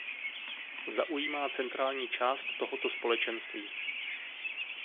Zaujímá centrální část tohoto společenství.